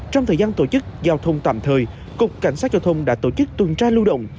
trong thời gian tổ chức giao thông tạm thời cục cảnh sát giao thông đã tổ chức tuần tra lưu động